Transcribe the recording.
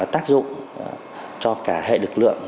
tác dụng cho cả hệ lực lượng